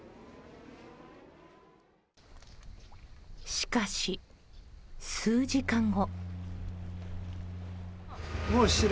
しかし数時間後。